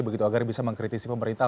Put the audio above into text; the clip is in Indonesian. begitu agar bisa mengkritisi pemerintah